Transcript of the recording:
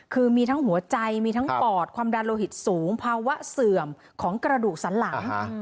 คือมีทั้งหัวใจมีทั้งปอดความดันโลหิตสูงภาวะเสื่อมของกระดูกสันหลัง